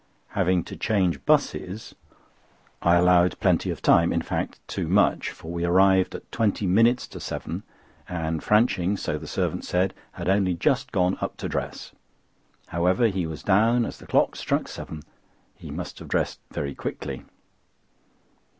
Having to change 'buses, I allowed plenty of time—in fact, too much; for we arrived at twenty minutes to seven, and Franching, so the servant said, had only just gone up to dress. However, he was down as the clock struck seven; he must have dressed very quickly.